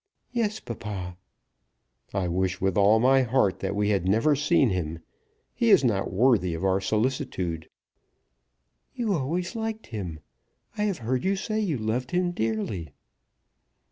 "Yes, papa." "I wish with all my heart that we had never seen him. He is not worthy of our solicitude." "You always liked him. I have heard you say you loved him dearly."